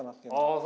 ああ